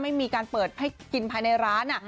ไม่มีการเปิดให้กินภายในร้าน